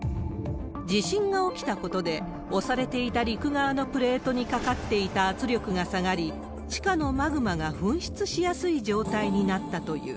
地震が起きたことで、押されていた陸側のプレートにかかっていた圧力が下がり、地下のマグマが噴出しやすい状態になったという。